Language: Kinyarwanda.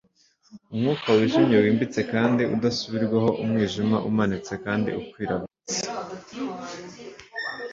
Umwuka wijimye wimbitse kandi udasubirwaho umwijima umanitse kandi ukwira byose